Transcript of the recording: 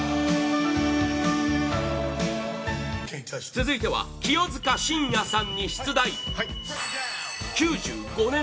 続いては清塚信也さんに出題９５年